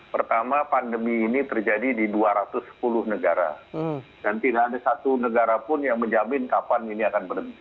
pertama pandemi ini terjadi di dua ratus sepuluh negara dan tidak ada satu negara pun yang menjamin kapan ini akan berhenti